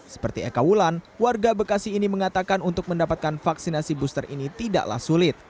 seperti eka wulan warga bekasi ini mengatakan untuk mendapatkan vaksinasi booster ini tidaklah sulit